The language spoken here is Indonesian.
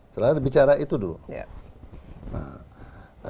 selalu bicara itu dulu